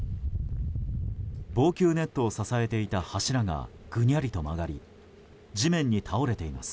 防球ネットを支えていた柱がぐにゃりと曲がり地面に倒れています。